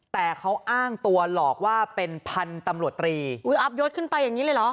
แต่เขาอ้างตัวหลอกว่าเป็นพันธุ์ตำรวจตรีอุ้ยอัพยศขึ้นไปอย่างนี้เลยเหรอ